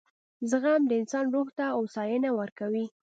• زغم د انسان روح ته هوساینه ورکوي.